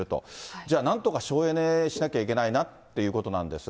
じゃあなんとか省エネしなきゃいけないなということなんですが。